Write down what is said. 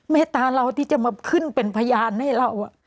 เมตตาเราที่จะมาขึ้นเป็นพยานให้เรา